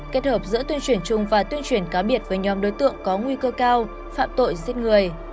kết hợp giữa tuyên truyền chung và tuyên truyền cáo biệt với nhóm đối tượng có nguy cơ cao phạm tội giết người